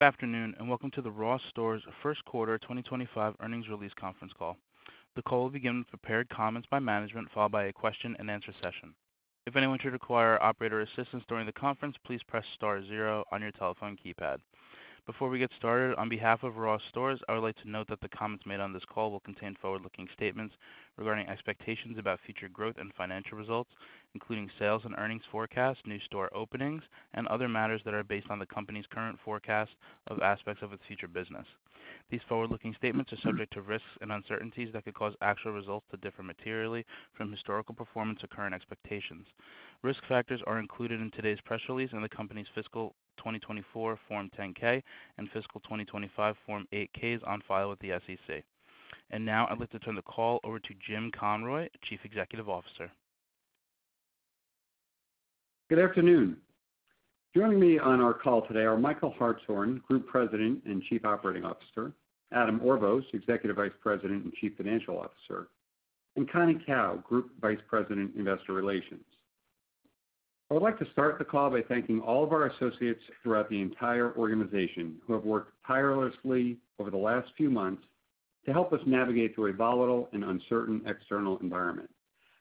Good afternoon, and welcome to the Ross Stores First Quarter 2025 Earnings Release Conference Call. The call will begin with prepared comments by management, followed by a question-and-answer session. If anyone should require operator assistance during the conference, please press star zero on your telephone keypad. Before we get started, on behalf of Ross Stores, I would like to note that the comments made on this call will contain forward-looking statements regarding expectations about future growth and financial results, including sales and earnings forecasts, new store openings, and other matters that are based on the company's current forecast of aspects of its future business. These forward-looking statements are subject to risks and uncertainties that could cause actual results to differ materially from historical performance or current expectations. Risk factors are included in today's press release and the company's Fiscal 2024 Form 10-K and Fiscal 2025 Form 8-Ks on file with the SEC. I would like to turn the call over to Jim Conroy, Chief Executive Officer. Good afternoon. Joining me on our call today are Michael Hartshorn, Group President and Chief Operating Officer; Adam Orvos, Executive Vice President and Chief Financial Officer; and Connie Kao, Group Vice President, Investor Relations. I would like to start the call by thanking all of our associates throughout the entire organization who have worked tirelessly over the last few months to help us navigate through a volatile and uncertain external environment.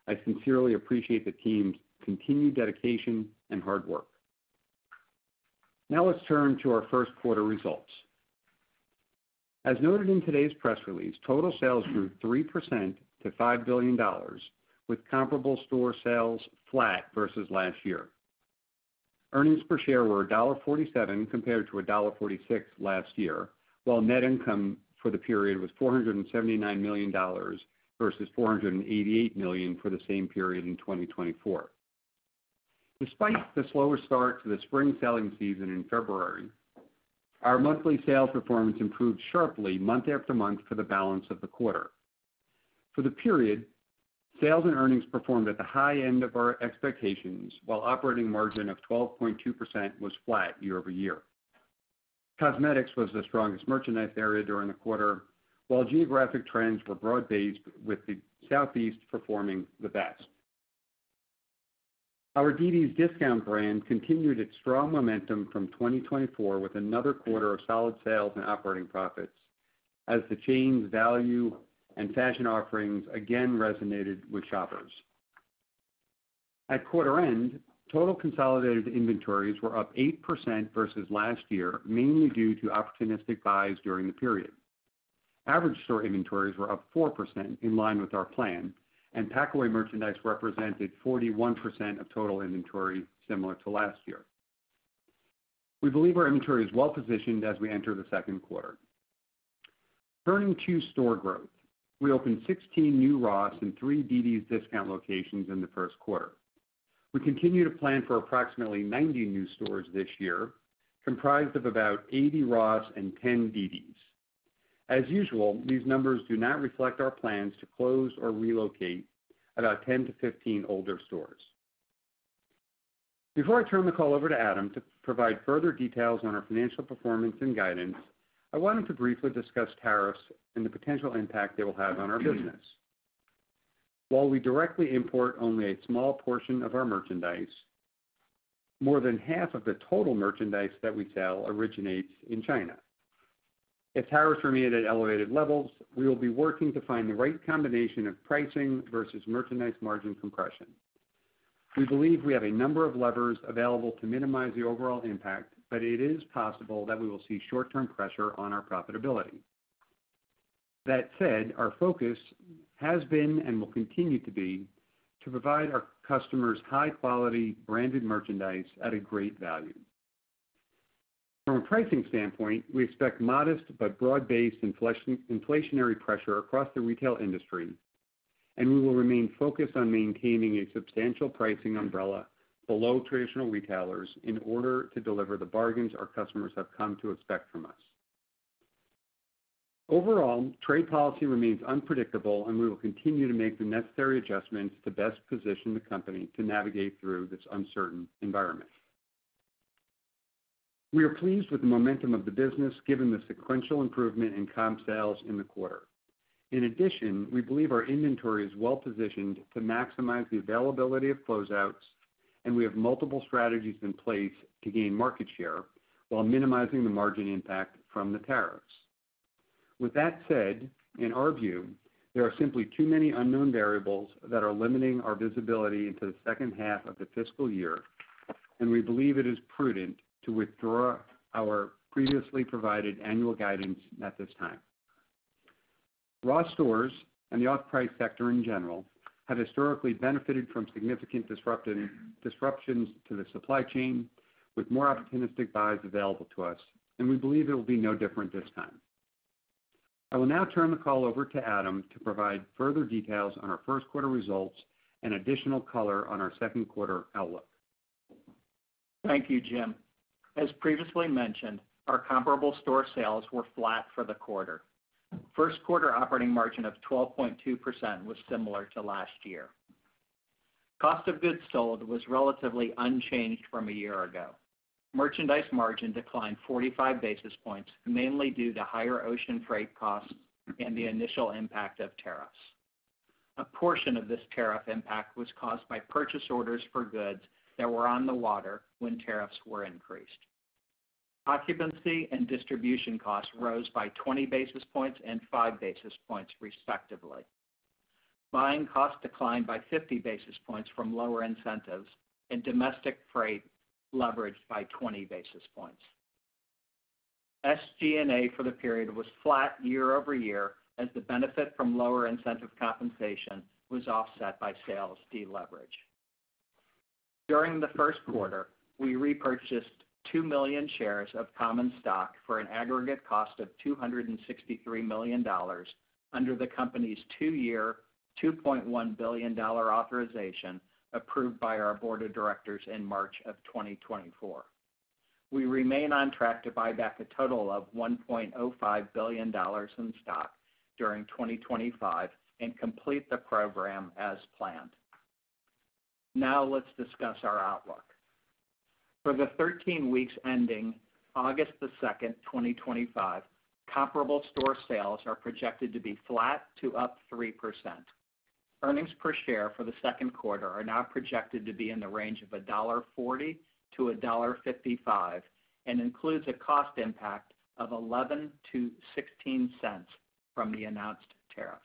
I sincerely appreciate the team's continued dedication and hard work. Now, let's turn to our first quarter results. As noted in today's press release, total sales grew 3% to $5 billion, with comparable store sales flat versus last year. Earnings per share were $1.47 compared to $1.46 last year, while net income for the period was $479 million versus $488 million for the same period in 2024. Despite the slower start to the spring selling season in February, our monthly sales performance improved sharply month after month for the balance of the quarter. For the period, sales and earnings performed at the high end of our expectations, while operating margin of 12.2% was flat year over year. Cosmetics was the strongest merchandise area during the quarter, while geographic trends were broad-based, with the Southeast performing the best. Our dd's DISCOUNTS brand continued its strong momentum from 2023 with another quarter of solid sales and operating profits, as the chain's value and fashion offerings again resonated with shoppers. At quarter end, total consolidated inventories were up 8% versus last year, mainly due to opportunistic buys during the period. Average store inventories were up 4%, in line with our plan, and pack-away merchandise represented 41% of total inventory, similar to last year. We believe our inventory is well-positioned as we enter the second quarter. Turning to store growth, we opened 16 new Ross and 3 dd's DISCOUNTS locations in the first quarter. We continue to plan for approximately 90 new stores this year, comprised of about 80 Ross and 10 dd's. As usual, these numbers do not reflect our plans to close or relocate about 10-15 older stores. Before I turn the call over to Adam to provide further details on our financial performance and guidance, I wanted to briefly discuss tariffs and the potential impact they will have on our business. While we directly import only a small portion of our merchandise, more than half of the total merchandise that we sell originates in China. If tariffs remain at elevated levels, we will be working to find the right combination of pricing versus merchandise margin compression. We believe we have a number of levers available to minimize the overall impact, but it is possible that we will see short-term pressure on our profitability. That said, our focus has been and will continue to be to provide our customers high-quality branded merchandise at a great value. From a pricing standpoint, we expect modest but broad-based inflationary pressure across the retail industry, and we will remain focused on maintaining a substantial pricing umbrella below traditional retailers in order to deliver the bargains our customers have come to expect from us. Overall, trade policy remains unpredictable, and we will continue to make the necessary adjustments to best position the company to navigate through this uncertain environment. We are pleased with the momentum of the business, given the sequential improvement in comp sales in the quarter. In addition, we believe our inventory is well-positioned to maximize the availability of closeouts, and we have multiple strategies in place to gain market share while minimizing the margin impact from the tariffs. With that said, in our view, there are simply too many unknown variables that are limiting our visibility into the second half of the fiscal year, and we believe it is prudent to withdraw our previously provided annual guidance at this time. Ross Stores and the off-price sector in general have historically benefited from significant disruptions to the supply chain, with more opportunistic buys available to us, and we believe it will be no different this time. I will now turn the call over to Adam to provide further details on our first quarter results and additional color on our second quarter outlook. Thank you, Jim. As previously mentioned, our comparable store sales were flat for the quarter. First quarter operating margin of 12.2% was similar to last year. Cost of goods sold was relatively unchanged from a year ago. Merchandise margin declined 45 basis points, mainly due to higher ocean freight costs and the initial impact of tariffs. A portion of this tariff impact was caused by purchase orders for goods that were on the water when tariffs were increased. Occupancy and distribution costs rose by 20 basis points and 5 basis points, respectively. Buying costs declined by 50 basis points from lower incentives, and domestic freight leveraged by 20 basis points. SG&A for the period was flat year over year as the benefit from lower incentive compensation was offset by sales deleverage. During the first quarter, we repurchased 2 million shares of Common Stock for an aggregate cost of $263 million under the company's two-year, $2.1 billion authorization approved by our board of directors in March of 2024. We remain on track to buy back a total of $1.05 billion in stock during 2025 and complete the program as planned. Now, let's discuss our outlook. For the 13 weeks ending August 2, 2025, comparable store sales are projected to be flat to up 3%. Earnings per share for the second quarter are now projected to be in the range of $1.40-$1.55 and include a cost impact of $0.11-$0.16 from the announced tariffs.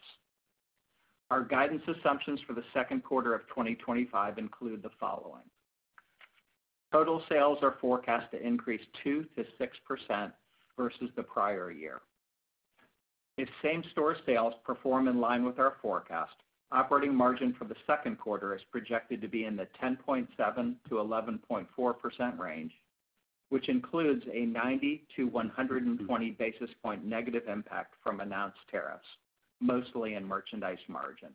Our guidance assumptions for the second quarter of 2025 include the following: Total sales are forecast to increase 2-6% versus the prior year. If same store sales perform in line with our forecast, operating margin for the second quarter is projected to be in the 10.7-11.4% range, which includes a 90-120 basis point negative impact from announced tariffs, mostly in merchandise margin.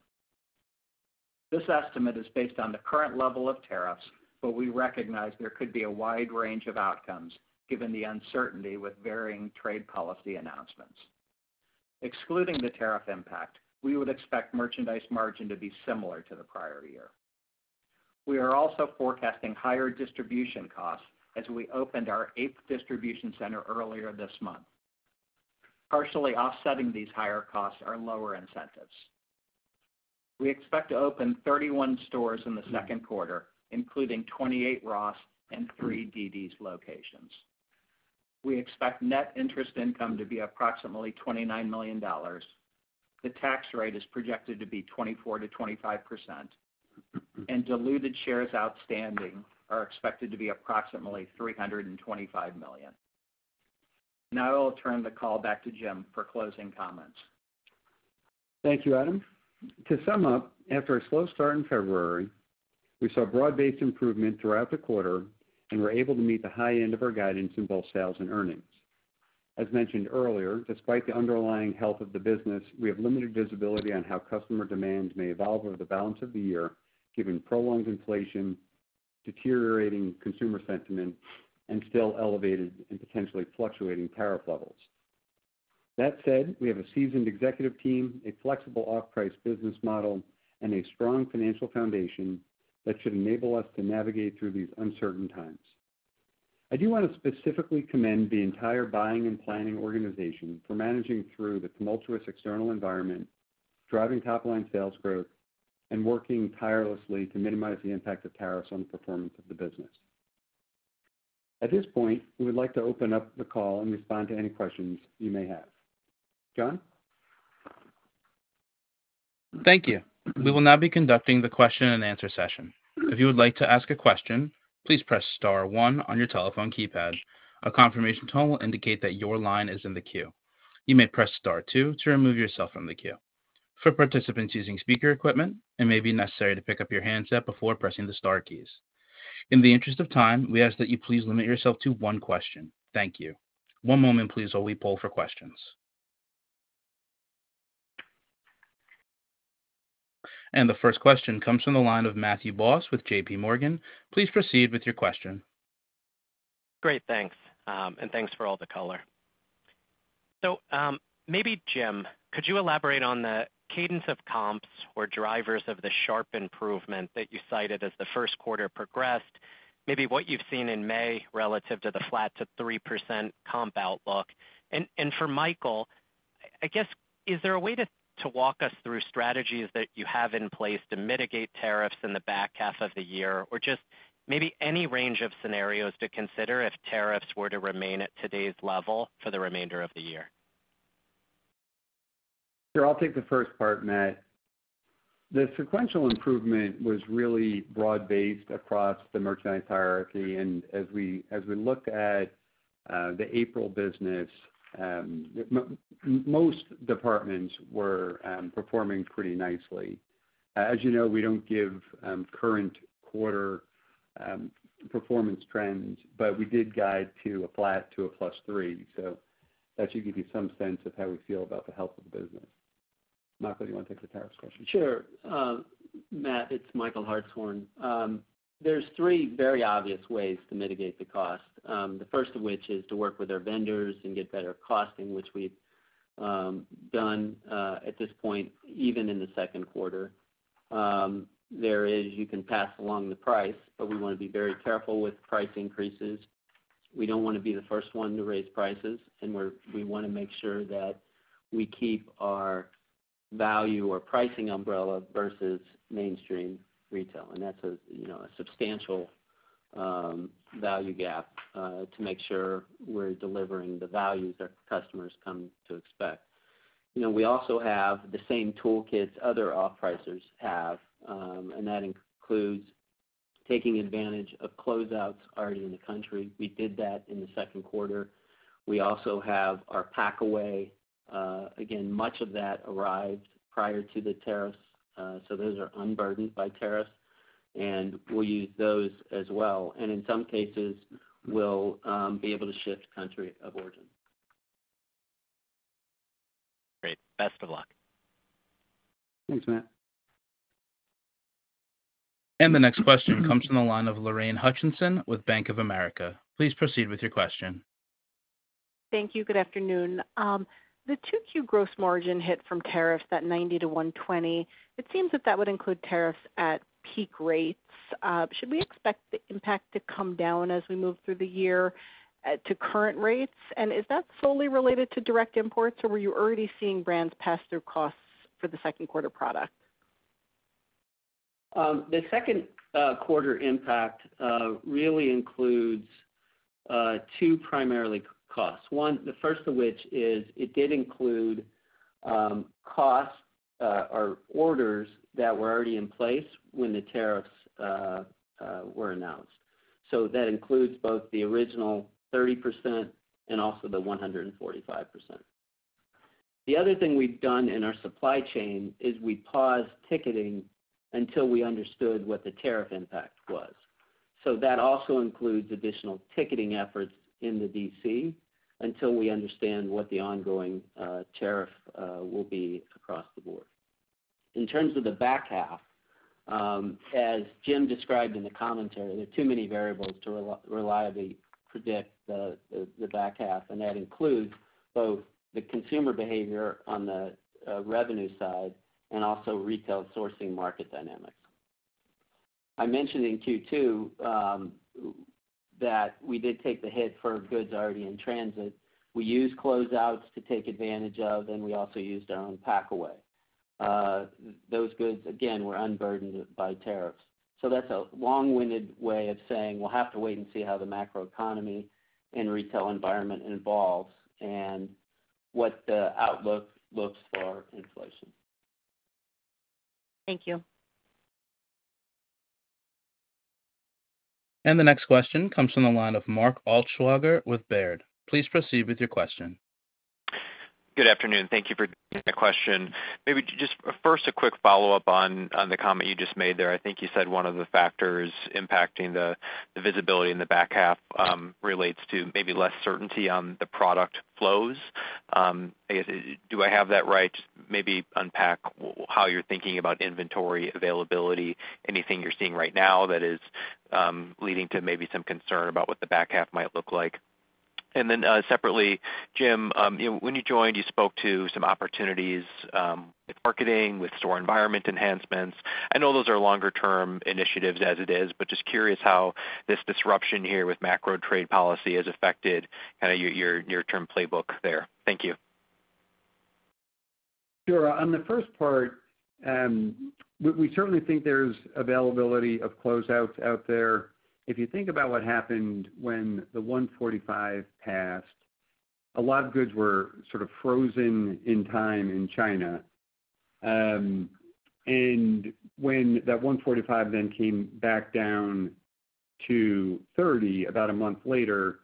This estimate is based on the current level of tariffs, but we recognize there could be a wide range of outcomes given the uncertainty with varying trade policy announcements. Excluding the tariff impact, we would expect merchandise margin to be similar to the prior year. We are also forecasting higher distribution costs as we opened our eighth distribution center earlier this month. Partially offsetting these higher costs are lower incentives. We expect to open 31 stores in the second quarter, including 28 Ross and 3 dd's locations. We expect net interest income to be approximately $29 million. The tax rate is projected to be 24-25%, and diluted shares outstanding are expected to be approximately $325 million. Now, I will turn the call back to Jim for closing comments. Thank you, Adam. To sum up, after a slow start in February, we saw broad-based improvement throughout the quarter and were able to meet the high end of our guidance in both sales and earnings. As mentioned earlier, despite the underlying health of the business, we have limited visibility on how customer demand may evolve over the balance of the year, given prolonged inflation, deteriorating consumer sentiment, and still elevated and potentially fluctuating tariff levels. That said, we have a seasoned executive team, a flexible off-price business model, and a strong financial foundation that should enable us to navigate through these uncertain times. I do want to specifically commend the entire buying and planning organization for managing through the tumultuous external environment, driving top-line sales growth, and working tirelessly to minimize the impact of tariffs on the performance of the business. At this point, we would like to open up the call and respond to any questions you may have. John? Thank you. We will now be conducting the question-and-answer session. If you would like to ask a question, please press star one on your telephone keypad. A confirmation tone will indicate that your line is in the queue. You may press star two to remove yourself from the queue. For participants using speaker equipment, it may be necessary to pick up your handset before pressing the star keys. In the interest of time, we ask that you please limit yourself to one question. Thank you. One moment, please, while we poll for questions. The first question comes from the line of Matthew Boss with JPMorgan. Please proceed with your question. Great. Thanks. Thanks for all the color. Maybe, Jim, could you elaborate on the cadence of comps or drivers of the sharp improvement that you cited as the first quarter progressed, maybe what you've seen in May relative to the flat to 3% comp outlook? For Michael, I guess, is there a way to walk us through strategies that you have in place to mitigate tariffs in the back half of the year or just maybe any range of scenarios to consider if tariffs were to remain at today's level for the remainder of the year? Sure. I'll take the first part, Matt. The sequential improvement was really broad-based across the merchandise hierarchy. As we looked at the April business, most departments were performing pretty nicely. As you know, we do not give current quarter performance trends, but we did guide to a flat to a plus 3%. That should give you some sense of how we feel about the health of the business. Michael, do you want to take the tariffs question? Sure. Matt, it's Michael Hartshorn. There are three very obvious ways to mitigate the cost, the first of which is to work with our vendors and get better costing, which we've done at this point, even in the second quarter. There is, you can pass along the price, but we want to be very careful with price increases. We do not want to be the first one to raise prices, and we want to make sure that we keep our value or pricing umbrella versus mainstream retail. That is a substantial value gap to make sure we are delivering the values that customers come to expect. We also have the same toolkits other off-pricers have, and that includes taking advantage of closeouts already in the country. We did that in the second quarter. We also have our pack-away. Again, much of that arrived prior to the tariffs, so those are unburdened by tariffs, and we'll use those as well. In some cases, we'll be able to shift country of origin. Great. Best of luck. Thanks, Matt. The next question comes from the line of Lorraine Hutchinson with Bank of America. Please proceed with your question. Thank you. Good afternoon. The 2Q gross margin hit from tariffs at 90-120. It seems that that would include tariffs at peak rates. Should we expect the impact to come down as we move through the year to current rates? Is that solely related to direct imports, or were you already seeing brands pass through costs for the second quarter product? The second quarter impact really includes two primary costs. One, the first of which is it did include costs or orders that were already in place when the tariffs were announced. That includes both the original 30% and also the 145%. The other thing we've done in our supply chain is we paused ticketing until we understood what the tariff impact was. That also includes additional ticketing efforts in the DC until we understand what the ongoing tariff will be across the board. In terms of the back half, as Jim described in the commentary, there are too many variables to reliably predict the back half, and that includes both the consumer behavior on the revenue side and also retail sourcing market dynamics. I mentioned in Q2 that we did take the hit for goods already in transit. We used closeouts to take advantage of, and we also used our own pack-away. Those goods, again, were unburdened by tariffs. That's a long-winded way of saying we'll have to wait and see how the macroeconomy and retail environment evolves and what the outlook looks for inflation. Thank you. The next question comes from the line of Mark Altschwager with Baird. Please proceed with your question. Good afternoon. Thank you for the question. Maybe just first a quick follow-up on the comment you just made there. I think you said one of the factors impacting the visibility in the back half relates to maybe less certainty on the product flows. Do I have that right? Maybe unpack how you're thinking about inventory availability, anything you're seeing right now that is leading to maybe some concern about what the back half might look like. Then separately, Jim, when you joined, you spoke to some opportunities with marketing, with store environment enhancements. I know those are longer-term initiatives as it is, but just curious how this disruption here with macro trade policy has affected kind of your near-term playbook there. Thank you. Sure. On the first part, we certainly think there is availability of closeouts out there. If you think about what happened when the 145 passed, a lot of goods were sort of frozen in time in China. When that 145 then came back down to 30 about a month later,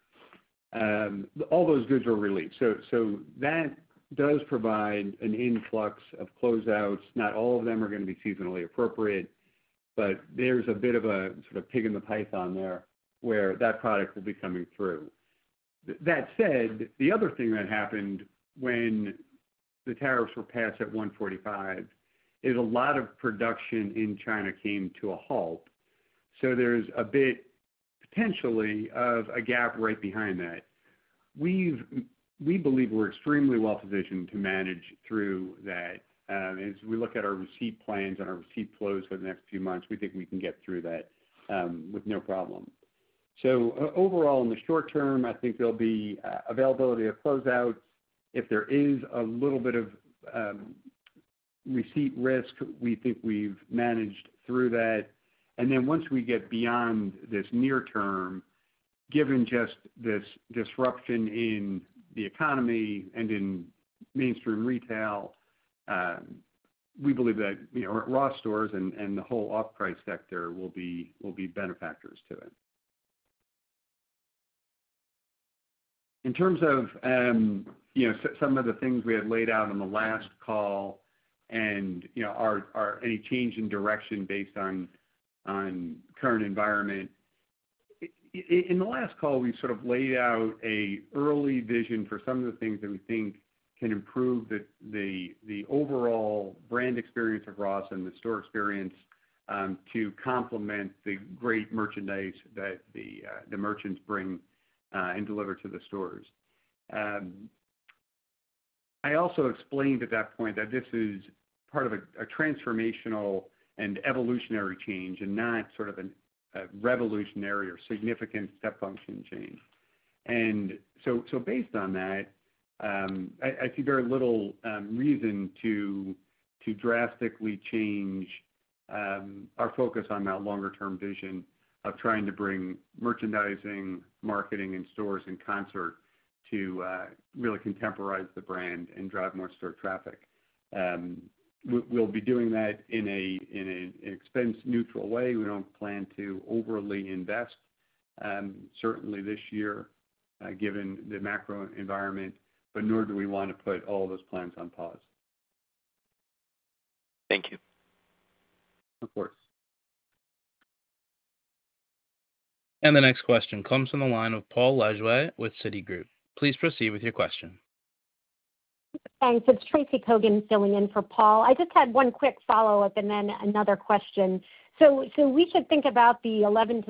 all those goods were relieved. That does provide an influx of closeouts. Not all of them are going to be seasonally appropriate, but there is a bit of a sort of pig in the python there where that product will be coming through. That said, the other thing that happened when the tariffs were passed at 145 is a lot of production in China came to a halt. There is a bit potentially of a gap right behind that. We believe we are extremely well-positioned to manage through that. As we look at our receipt plans and our receipt flows for the next few months, we think we can get through that with no problem. Overall, in the short term, I think there'll be availability of closeouts. If there is a little bit of receipt risk, we think we've managed through that. Once we get beyond this near term, given just this disruption in the economy and in mainstream retail, we believe that Ross Stores and the whole off-price sector will be benefactors to it. In terms of some of the things we had laid out in the last call and any change in direction based on current environment, in the last call, we sort of laid out an early vision for some of the things that we think can improve the overall brand experience of Ross and the store experience to complement the great merchandise that the merchants bring and deliver to the stores. I also explained at that point that this is part of a transformational and evolutionary change and not sort of a revolutionary or significant step function change. Based on that, I see very little reason to drastically change our focus on that longer-term vision of trying to bring merchandising, marketing, and stores in concert to really contemporize the brand and drive more store traffic. We'll be doing that in an expense-neutral way. We do not plan to overly invest, certainly this year, given the macro environment, but nor do we want to put all those plans on pause. Thank you. Of course. The next question comes from the line of Paul Lejuez with Citigroup. Please proceed with your question. Thanks. It's Tracy Kogan filling in for Paul. I just had one quick follow-up and then another question. We should think about the 11-16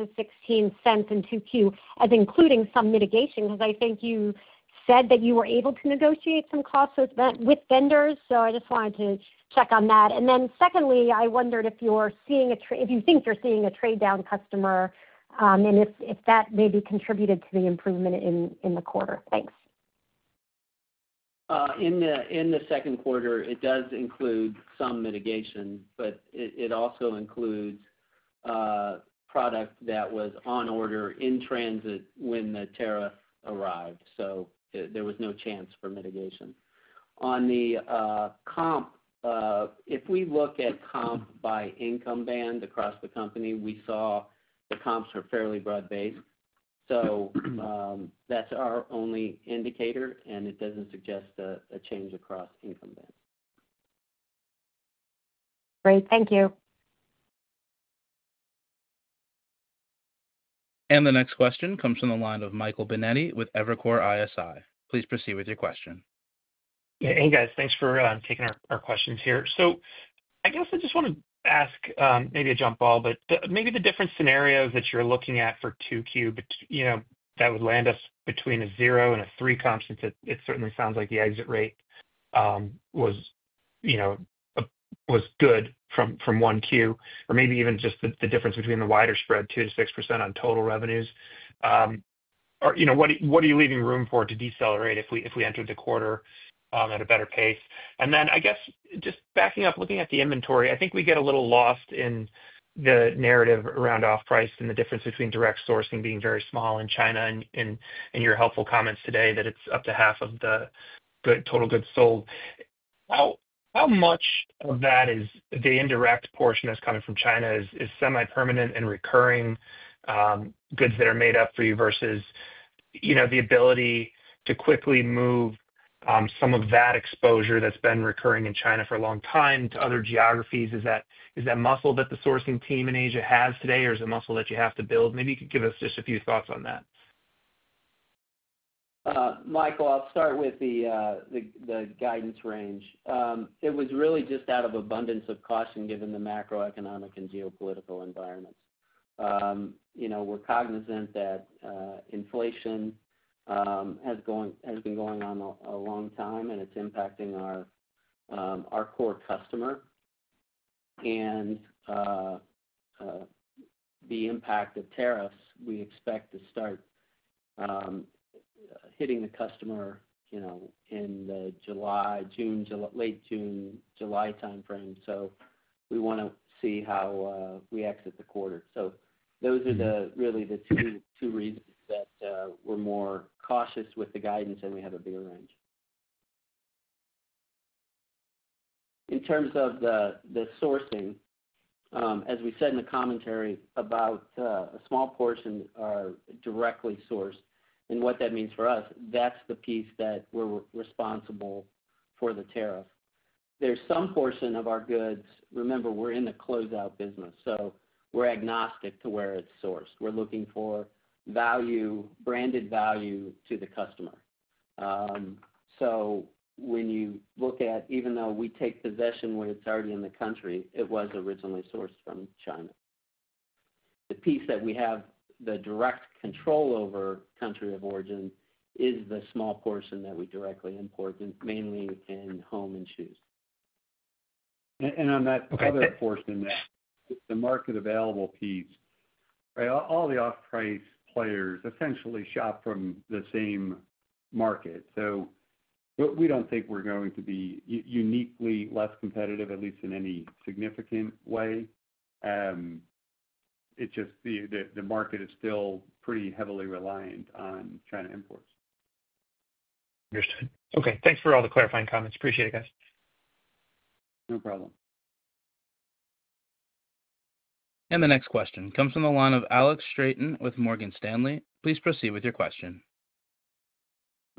cents in 2Q as including some mitigation because I think you said that you were able to negotiate some costs with vendors. I just wanted to check on that. Secondly, I wondered if you're seeing a, if you think you're seeing a trade-down customer and if that maybe contributed to the improvement in the quarter. Thanks. In the second quarter, it does include some mitigation, but it also includes product that was on order in transit when the tariff arrived. There was no chance for mitigation. On the comp, if we look at comp by income band across the company, we saw the comps are fairly broad-based. That is our only indicator, and it does not suggest a change across income bands. Great. Thank you. The next question comes from the line of Michael Binetti with Evercore ISI. Please proceed with your question. Hey, guys. Thanks for taking our questions here. I guess I just want to ask maybe a jump ball, but maybe the different scenarios that you're looking at for 2Q that would land us between a zero and a 3% comp since it certainly sounds like the exit rate was good from 1Q or maybe even just the difference between the wider spread, 2-6% on total revenues. What are you leaving room for to decelerate if we entered the quarter at a better pace? I guess just backing up, looking at the inventory, I think we get a little lost in the narrative around off-price and the difference between direct sourcing being very small in China and your helpful comments today that it's up to half of the total goods sold. How much of that is the indirect portion that's coming from China is semi-permanent and recurring goods that are made up for you versus the ability to quickly move some of that exposure that's been recurring in China for a long time to other geographies? Is that muscle that the sourcing team in Asia has today, or is it muscle that you have to build? Maybe you could give us just a few thoughts on that. Michael, I'll start with the guidance range. It was really just out of abundance of caution given the macroeconomic and geopolitical environments. We're cognizant that inflation has been going on a long time, and it's impacting our core customer. The impact of tariffs, we expect to start hitting the customer in the late June, July timeframe. We want to see how we exit the quarter. Those are really the two reasons that we're more cautious with the guidance and have a bigger range. In terms of the sourcing, as we said in the commentary, a small portion are directly sourced. What that means for us, that's the piece that we're responsible for the tariff. There's some portion of our goods—remember, we're in the closeout business—so we're agnostic to where it's sourced. We're looking for value, branded value to the customer. When you look at, even though we take possession when it's already in the country, it was originally sourced from China. The piece that we have the direct control over country of origin is the small portion that we directly import, mainly in home and shoes. On that other portion, the market available piece, all the off-price players essentially shop from the same market. We do not think we are going to be uniquely less competitive, at least in any significant way. The market is still pretty heavily reliant on China imports. Understood. Okay. Thanks for all the clarifying comments. Appreciate it, guys. No problem. The next question comes from the line of Alex Straton with Morgan Stanley. Please proceed with your question.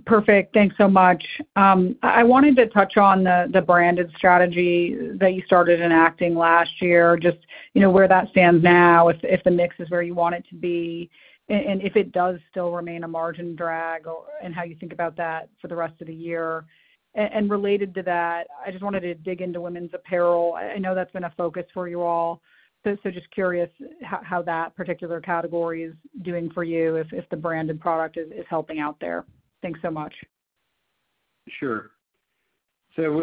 Perfect. Thanks so much. I wanted to touch on the branded strategy that you started enacting last year, just where that stands now, if the mix is where you want it to be, and if it does still remain a margin drag and how you think about that for the rest of the year. Related to that, I just wanted to dig into women's apparel. I know that's been a focus for you all. Just curious how that particular category is doing for you if the branded product is helping out there. Thanks so much. Sure.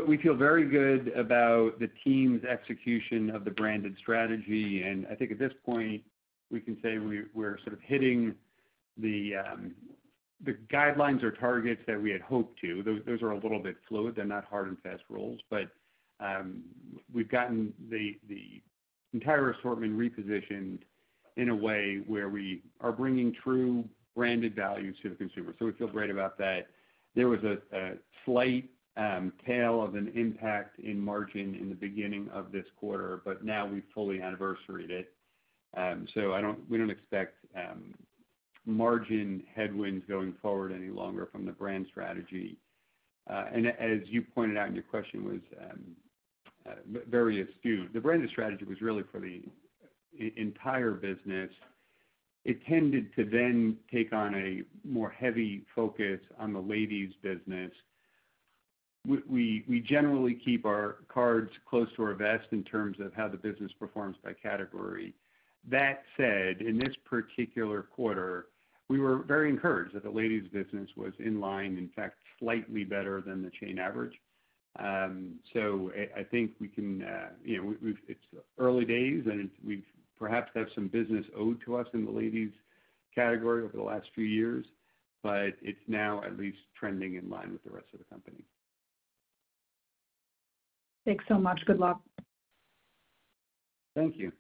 We feel very good about the team's execution of the branded strategy. I think at this point, we can say we're sort of hitting the guidelines or targets that we had hoped to. Those are a little bit fluid. They're not hard and fast rules. We've gotten the entire assortment repositioned in a way where we are bringing true branded value to the consumer. We feel great about that. There was a slight tail of an impact in margin in the beginning of this quarter, but now we've fully anniversaried it. We don't expect margin headwinds going forward any longer from the brand strategy. As you pointed out in your question, it was very astute. The branded strategy was really for the entire business. It tended to then take on a more heavy focus on the ladies' business. We generally keep our cards close to our vest in terms of how the business performs by category. That said, in this particular quarter, we were very encouraged that the ladies' business was in line, in fact, slightly better than the chain average. I think we can—it's early days, and we perhaps have some business owed to us in the ladies' category over the last few years, but it's now at least trending in line with the rest of the company. Thanks so much. Good luck. Thank you.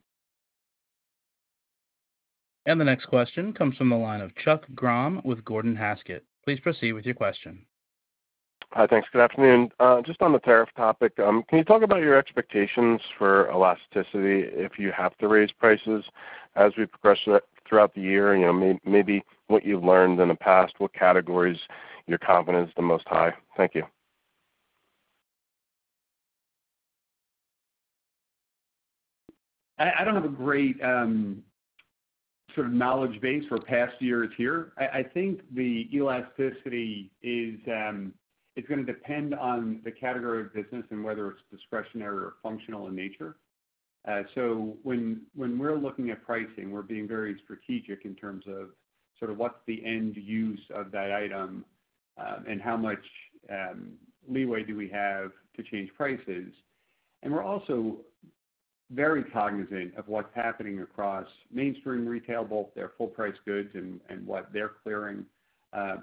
The next question comes from the line of Chuck Grom with Gordon Haskett. Please proceed with your question. Hi, thanks. Good afternoon. Just on the tariff topic, can you talk about your expectations for elasticity if you have to raise prices as we progress throughout the year? Maybe what you've learned in the past, what categories your confidence is the most high? Thank you. I do not have a great sort of knowledge base for past years here. I think the elasticity is going to depend on the category of business and whether it is discretionary or functional in nature. When we are looking at pricing, we are being very strategic in terms of sort of what is the end use of that item and how much leeway we have to change prices. We are also very cognizant of what is happening across mainstream retail, both their full-price goods and what they are clearing,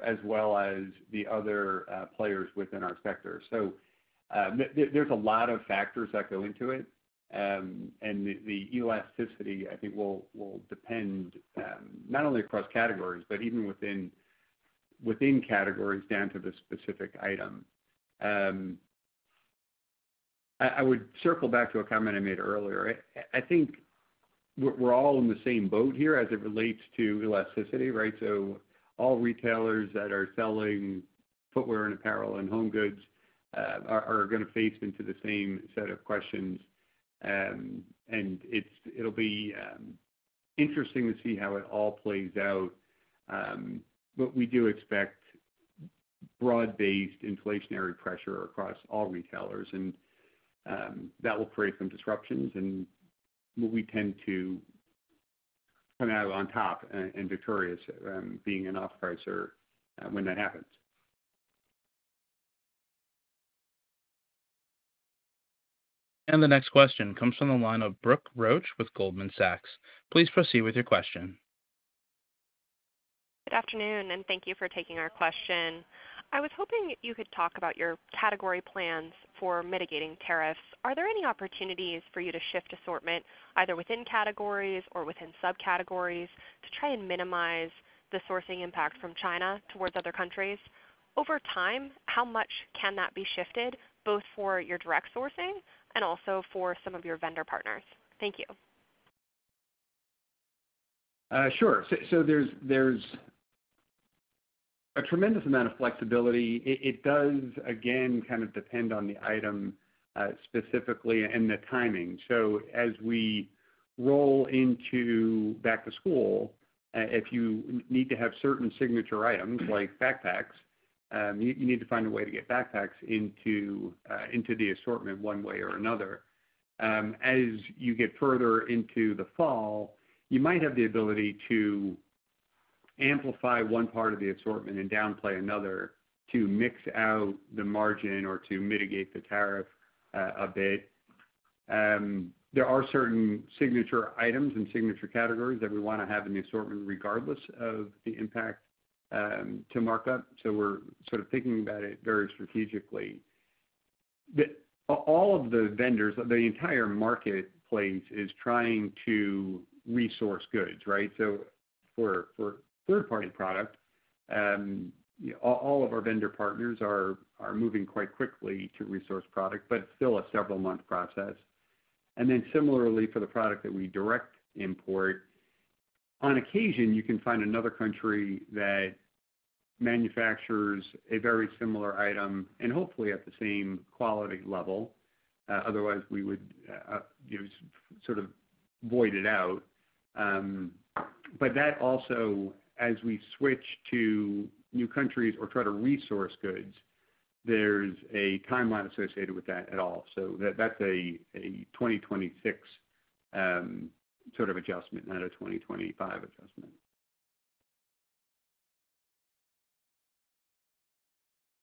as well as the other players within our sector. There are a lot of factors that go into it. The elasticity, I think, will depend not only across categories, but even within categories down to the specific item. I would circle back to a comment I made earlier. I think we are all in the same boat here as it relates to elasticity, right? All retailers that are selling footwear and apparel and home goods are going to face into the same set of questions. It will be interesting to see how it all plays out. We do expect broad-based inflationary pressure across all retailers. That will create some disruptions. We tend to come out on top and victorious being an off-pricer when that happens. The next question comes from the line of Brooke Roach with Goldman Sachs. Please proceed with your question. Good afternoon, and thank you for taking our question. I was hoping you could talk about your category plans for mitigating tariffs. Are there any opportunities for you to shift assortment either within categories or within subcategories to try and minimize the sourcing impact from China towards other countries? Over time, how much can that be shifted both for your direct sourcing and also for some of your vendor partners? Thank you. Sure. There is a tremendous amount of flexibility. It does, again, kind of depend on the item specifically and the timing. As we roll into back-to-school, if you need to have certain signature items like backpacks, you need to find a way to get backpacks into the assortment one way or another. As you get further into the fall, you might have the ability to amplify one part of the assortment and downplay another to mix out the margin or to mitigate the tariff a bit. There are certain signature items and signature categories that we want to have in the assortment regardless of the impact to mark up. We are sort of thinking about it very strategically. All of the vendors, the entire marketplace is trying to resource goods, right? For third-party product, all of our vendor partners are moving quite quickly to resource product, but it's still a several-month process. Similarly, for the product that we direct import, on occasion, you can find another country that manufactures a very similar item and hopefully at the same quality level. Otherwise, we would sort of void it out. That also, as we switch to new countries or try to resource goods, there's a timeline associated with that at all. That is a 2026 sort of adjustment, not a 2025 adjustment.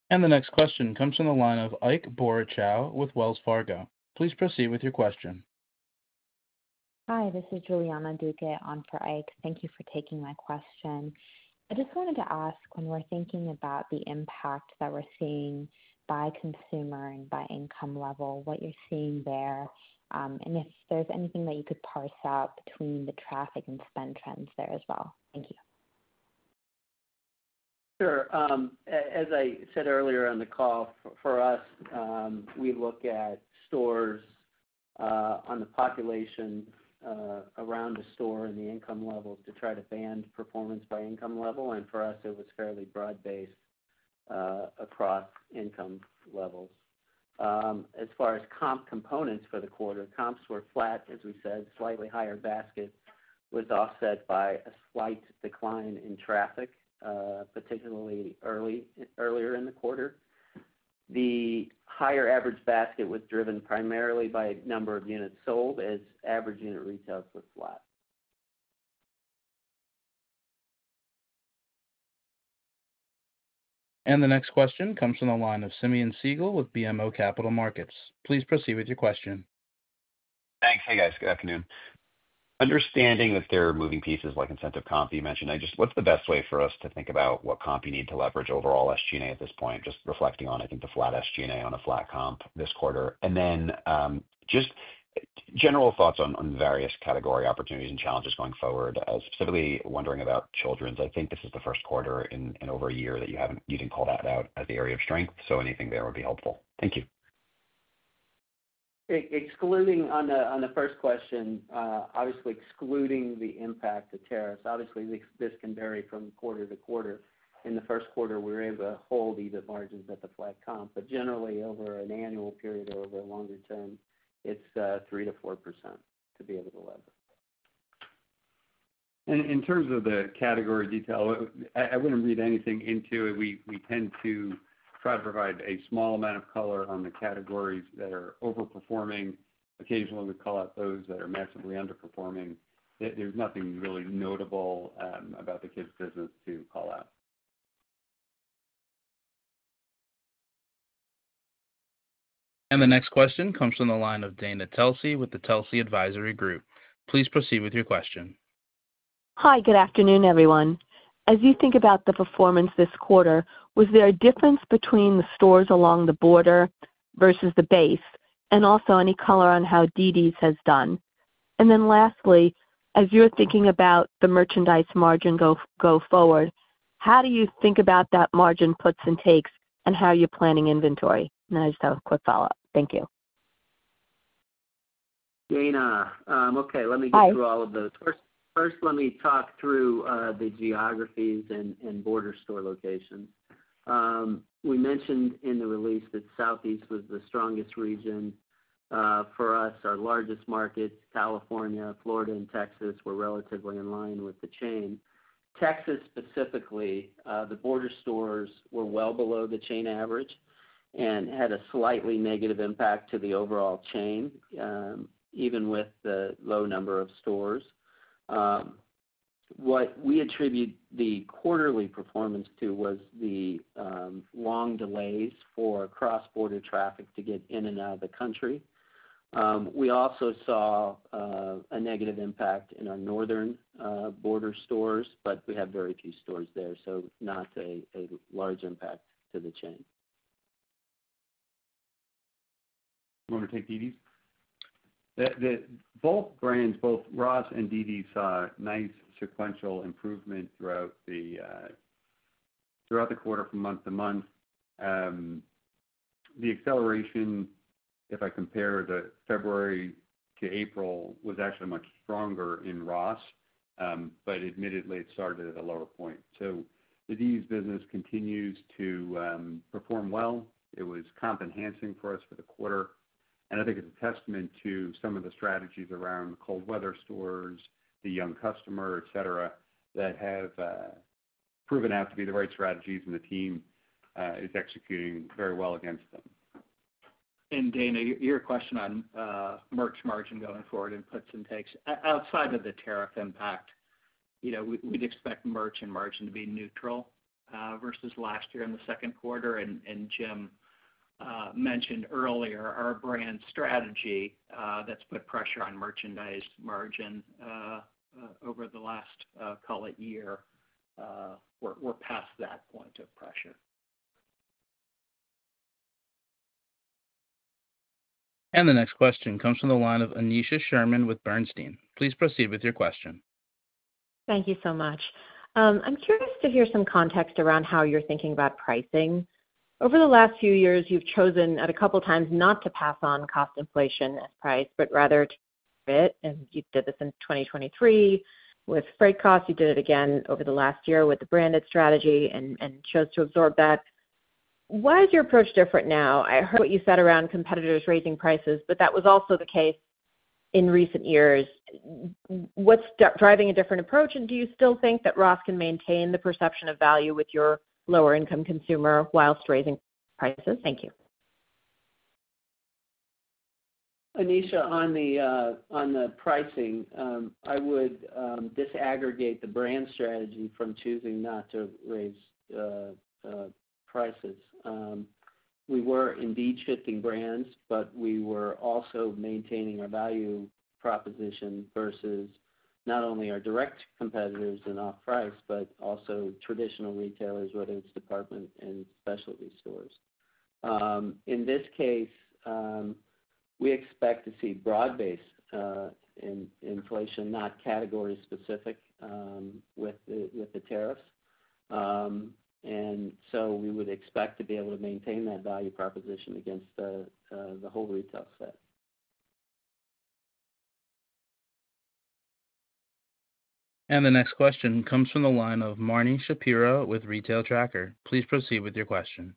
The next question comes from the line of Ike Boruchow with Wells Fargo. Please proceed with your question. Hi, this is Juliana Duque on for Ike. Thank you for taking my question. I just wanted to ask when we're thinking about the impact that we're seeing by consumer and by income level, what you're seeing there, and if there's anything that you could parse out between the traffic and spend trends there as well. Thank you. Sure. As I said earlier on the call, for us, we look at stores on the population around the store and the income levels to try to band performance by income level. For us, it was fairly broad-based across income levels. As far as comp components for the quarter, comps were flat, as we said. Slightly higher basket was offset by a slight decline in traffic, particularly earlier in the quarter. The higher average basket was driven primarily by number of units sold as average unit retails were flat. The next question comes from the line of Simeon Siegel with BMO Capital Markets. Please proceed with your question. Thanks. Hey, guys. Good afternoon. Understanding that there are moving pieces like incentive comp you mentioned, what's the best way for us to think about what comp you need to leverage overall SG&A at this point? Just reflecting on, I think, the flat SG&A on a flat comp this quarter. Just general thoughts on various category opportunities and challenges going forward, specifically wondering about children's. I think this is the first quarter in over a year that you didn't call that out as the area of strength. Anything there would be helpful. Thank you. Excluding on the first question, obviously excluding the impact of tariffs, obviously this can vary from quarter to quarter. In the first quarter, we were able to hold even margins at the flat comp. Generally, over an annual period or over a longer term, it's 3-4% to be able to leverage. In terms of the category detail, I would not read anything into it. We tend to try to provide a small amount of color on the categories that are overperforming. Occasionally, we call out those that are massively underperforming. There is nothing really notable about the kids' business to call out. The next question comes from the line of Dana Telsey with the Telsey Advisory Group. Please proceed with your question. Hi, good afternoon, everyone. As you think about the performance this quarter, was there a difference between the stores along the border versus the base and also any color on how dd's has done? Lastly, as you're thinking about the merchandise margin go forward, how do you think about that margin puts and takes and how you're planning inventory? I just have a quick follow-up. Thank you. Okay. Let me go through all of those. First, let me talk through the geographies and border store locations. We mentioned in the release that Southeast was the strongest region for us. Our largest markets, California, Florida, and Texas, were relatively in line with the chain. Texas specifically, the border stores were well below the chain average and had a slightly negative impact to the overall chain, even with the low number of stores. What we attribute the quarterly performance to was the long delays for cross-border traffic to get in and out of the country. We also saw a negative impact in our northern border stores, but we have very few stores there. So not a large impact to the chain. Do you want to take dd's? Both brands, both Ross and dd's, saw nice sequential improvement throughout the quarter from month to month. The acceleration, if I compare the February to April, was actually much stronger in Ross, but admittedly, it started at a lower point. The dd's business continues to perform well. It was comp-enhancing for us for the quarter. I think it's a testament to some of the strategies around cold weather stores, the young customer, etc., that have proven out to be the right strategies, and the team is executing very well against them. Dana, your question on merch margin going forward and puts and takes, outside of the tariff impact, we'd expect merch and margin to be neutral versus last year in the second quarter. Jim mentioned earlier our brand strategy that's put pressure on merchandise margin over the last, call it, year. We're past that point of pressure. The next question comes from the line of Aneesha Sherman with Bernstein. Please proceed with your question. Thank you so much. I'm curious to hear some context around how you're thinking about pricing. Over the last few years, you've chosen at a couple of times not to pass on cost inflation as price, but rather to absorb it. You did this in 2023 with freight costs. You did it again over the last year with the branded strategy and chose to absorb that. Why is your approach different now? I heard what you said around competitors raising prices, but that was also the case in recent years. What's driving a different approach? Do you still think that Ross can maintain the perception of value with your lower-income consumer whilst raising prices? Thank you. Aneesha, on the pricing, I would disaggregate the brand strategy from choosing not to raise prices. We were indeed shifting brands, but we were also maintaining our value proposition versus not only our direct competitors and off-price, but also traditional retailers, whether it's department and specialty stores. In this case, we expect to see broad-based inflation, not category-specific, with the tariffs. We would expect to be able to maintain that value proposition against the whole retail set. The next question comes from the line of Marni Shapiro with Retail Tracker. Please proceed with your question.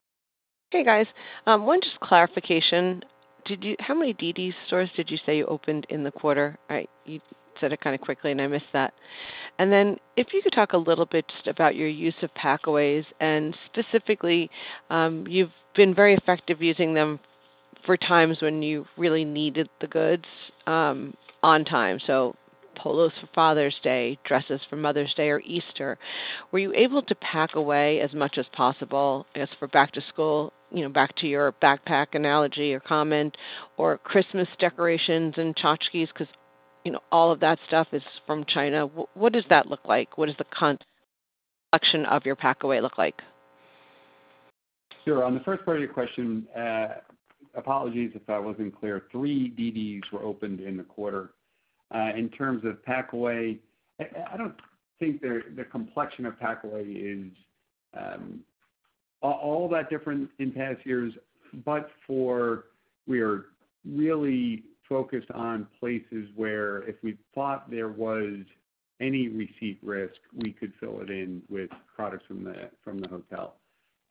Hey, guys. One just clarification. How many dd's DISCOUNTS stores did you say you opened in the quarter? You said it kind of quickly, and I missed that. If you could talk a little bit just about your use of packaways. Specifically, you've been very effective using them for times when you really needed the goods on time. Polos for Father's Day, dresses for Mother's Day or Easter. Were you able to pack away as much as possible for back-to-school, back to your backpack analogy or comment, or Christmas decorations and tchotchkes? Because all of that stuff is from China. What does that look like? What does the collection of your pack-away look like? Sure. On the first part of your question, apologies if I was not clear. Three dd's DISCOUNTS were opened in the quarter. In terms of pack-away, I do not think the complexion of pack-away is all that different in past years. We are really focused on places where if we thought there was any receipt risk, we could fill it in with products from the hotel.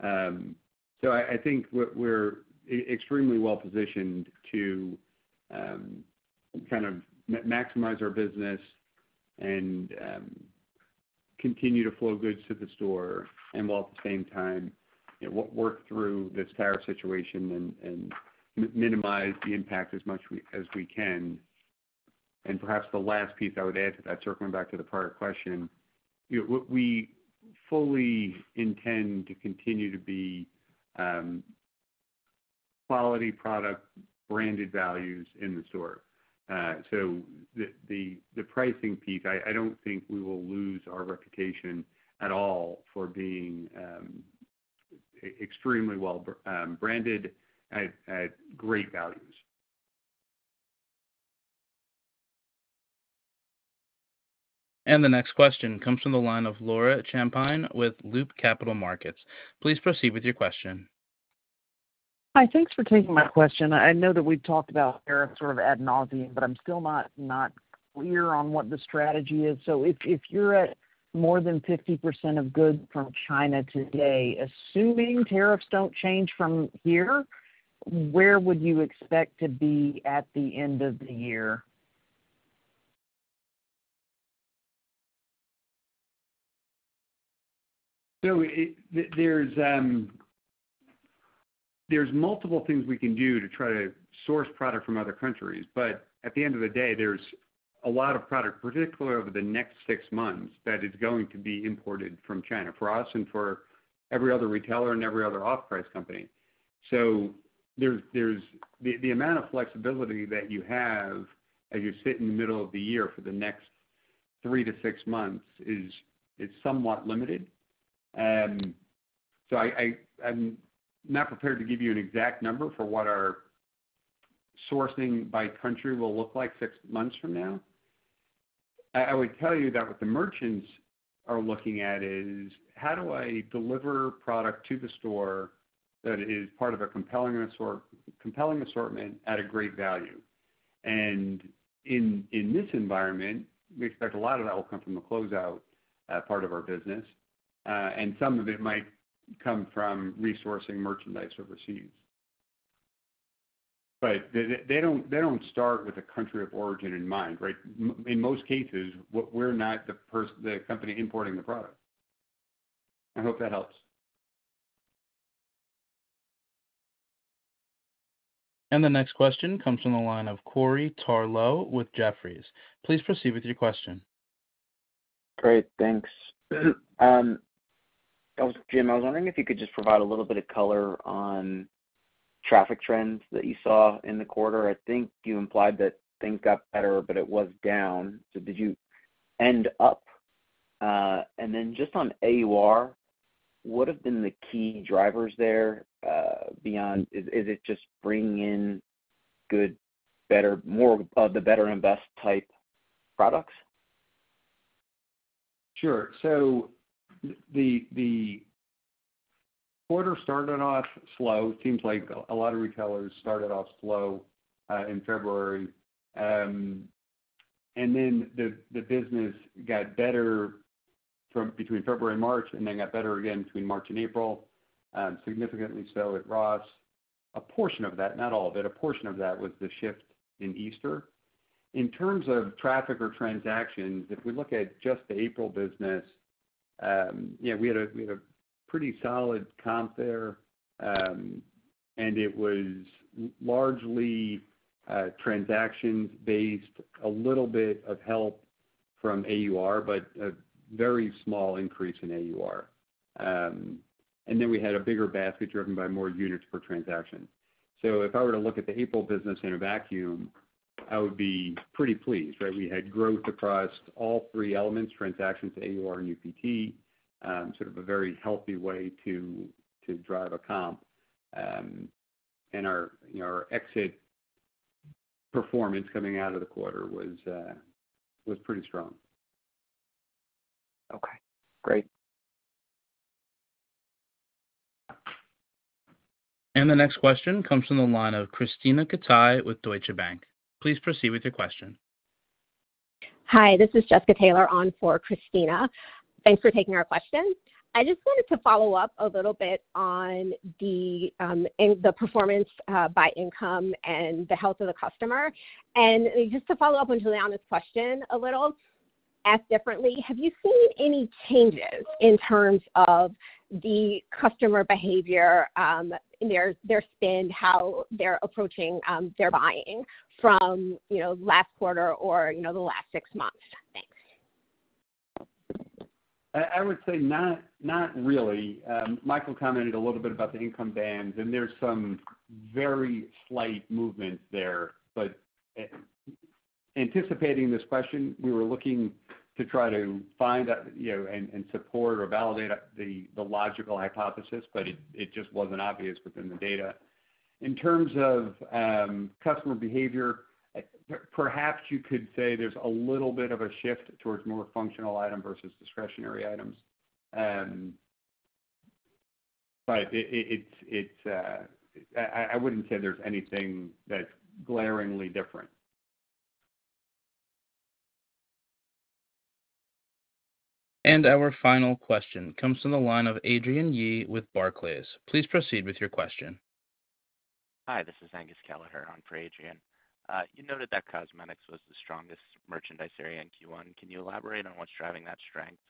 I think we are extremely well-positioned to kind of maximize our business and continue to flow goods to the store, while at the same time, work through this tariff situation and minimize the impact as much as we can. Perhaps the last piece I would add to that, circling back to the prior question, we fully intend to continue to be quality product, branded values in the store. The pricing piece, I do not think we will lose our reputation at all for being extremely well-branded at great values. The next question comes from the line of Laura Champine with Loop Capital Markets. Please proceed with your question. Hi. Thanks for taking my question. I know that we've talked about tariffs sort of ad nauseam, but I'm still not clear on what the strategy is. If you're at more than 50% of goods from China today, assuming tariffs don't change from here, where would you expect to be at the end of the year? There are multiple things we can do to try to source product from other countries. At the end of the day, there is a lot of product, particularly over the next six months, that is going to be imported from China for us and for every other retailer and every other off-price company. The amount of flexibility that you have as you sit in the middle of the year for the next three to six months is somewhat limited. I am not prepared to give you an exact number for what our sourcing by country will look like six months from now. I would tell you that what the merchants are looking at is, how do I deliver product to the store that is part of a compelling assortment at a great value? In this environment, we expect a lot of that will come from the closeout part of our business. Some of it might come from resourcing merchandise overseas. They do not start with a country of origin in mind, right? In most cases, we are not the company importing the product. I hope that helps. The next question comes from the line of Corey Tarlowe with Jefferies. Please proceed with your question. Great. Thanks. Jim, I was wondering if you could just provide a little bit of color on traffic trends that you saw in the quarter. I think you implied that things got better, but it was down. Did you end up? And then just on AUR, what have been the key drivers there beyond? Is it just bringing in good, better, more of the better and best type products? Sure. The quarter started off slow. It seems like a lot of retailers started off slow in February. The business got better between February and March and then got better again between March and April, significantly at Ross. A portion of that, not all of it, a portion of that was the shift in Easter. In terms of traffic or transactions, if we look at just the April business, yeah, we had a pretty solid comp there. It was largely transactions-based, a little bit of help from AUR, but a very small increase in AUR. We had a bigger basket driven by more units per transaction. If I were to look at the April business in a vacuum, I would be pretty pleased, right? We had growth across all three elements, transactions, AUR, and UPT, sort of a very healthy way to drive a comp. Our exit performance coming out of the quarter was pretty strong. Okay. Great. The next question comes from the line of Krisztina Katai with Deutsche Bank. Please proceed with your question. Hi. This is Jessica Taylor on for Christina. Thanks for taking our question. I just wanted to follow up a little bit on the performance by income and the health of the customer. Just to follow up on Juliana's question a little, ask differently, have you seen any changes in terms of the customer behavior, their spend, how they're approaching their buying from last quarter or the last six months? Thanks. I would say not really. Michael commented a little bit about the income bands, and there's some very slight movement there. Anticipating this question, we were looking to try to find and support or validate the logical hypothesis, but it just was not obvious within the data. In terms of customer behavior, perhaps you could say there's a little bit of a shift towards more functional item versus discretionary items. I would not say there's anything that's glaringly different. Our final question comes from the line of Adrienne Yih with Barclays. Please proceed with your question. Hi. This is Angus Kelleher on for Adrienne. You noted that cosmetics was the strongest merchandise area in Q1. Can you elaborate on what's driving that strength?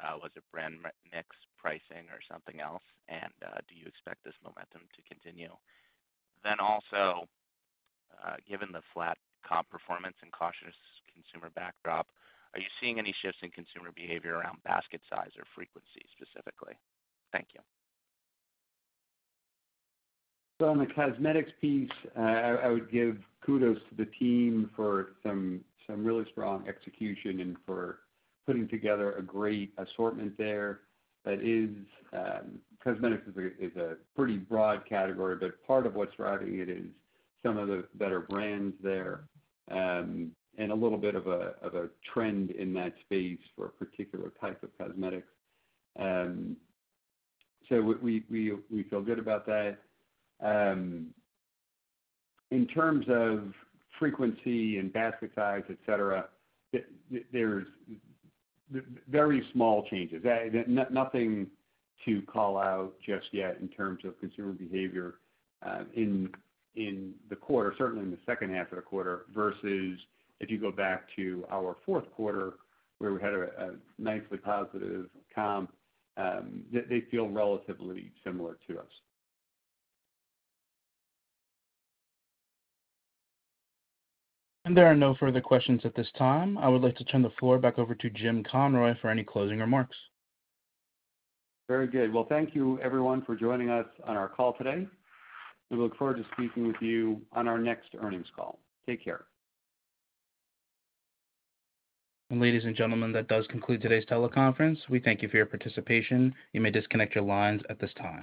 Was it brand mix, pricing, or something else? Do you expect this momentum to continue? Also, given the flat comp performance and cautious consumer backdrop, are you seeing any shifts in consumer behavior around basket size or frequency specifically? Thank you. On the cosmetics piece, I would give kudos to the team for some really strong execution and for putting together a great assortment there. Cosmetics is a pretty broad category, but part of what's driving it is some of the better brands there and a little bit of a trend in that space for a particular type of cosmetics. We feel good about that. In terms of frequency and basket size, etc., there are very small changes. Nothing to call out just yet in terms of consumer behavior in the quarter, certainly in the second half of the quarter versus if you go back to our fourth quarter where we had a nicely positive comp, they feel relatively similar to us. There are no further questions at this time. I would like to turn the floor back over to Jim Conroy for any closing remarks. Very good. Thank you, everyone, for joining us on our call today. We look forward to speaking with you on our next earnings call. Take care. Ladies and gentlemen, that does conclude today's teleconference. We thank you for your participation. You may disconnect your lines at this time.